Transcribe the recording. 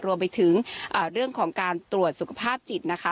รวมไปถึงเรื่องของการตรวจสุขภาพจิตนะคะ